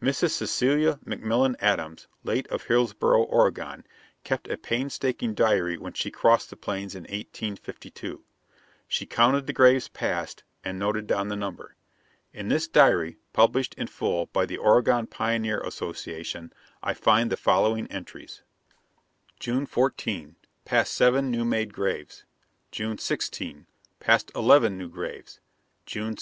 Mrs. Cecilia McMillen Adams, late of Hillsboro, Oregon, kept a painstaking diary when she crossed the Plains in 1852. She counted the graves passed and noted down the number. In this diary, published in full by the Oregon Pioneer Association, I find the following entries: June 14. Passed seven new made graves. June 16. Passed eleven new graves. June 17.